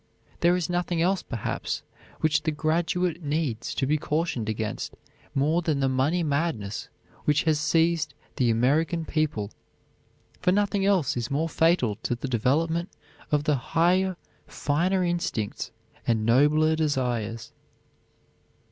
There is nothing else, perhaps, which the graduate needs to be cautioned against more than the money madness which has seized the American people, for nothing else is more fatal to the development of the higher, finer instincts and nobler desires.